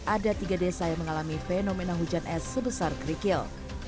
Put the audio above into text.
ada tiga desa yang mengalami fenomena hujan es sebesar kerikil